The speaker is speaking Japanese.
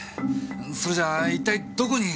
それじゃ一体どこに！